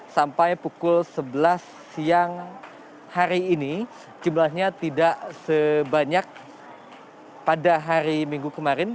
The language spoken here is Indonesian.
sampai pukul sebelas siang hari ini jumlahnya tidak sebanyak pada hari minggu kemarin